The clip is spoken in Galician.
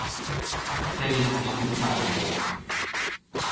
Teñen que desculparme.